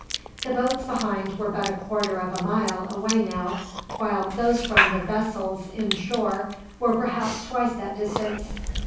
The boats behind were but a quarter of a mile away now, while those from the vessels inshore were perhaps twice that distance.